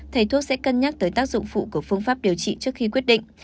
thầy thuốc sẽ cân nhắc tới tác dụng phụ của phương pháp điều trị trước khi quyết định